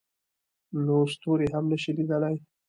نو ستوري هم نه شي لیدلی.